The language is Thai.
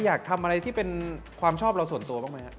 อยากทำอะไรที่เป็นความชอบเราส่วนตัวบ้างไหมครับ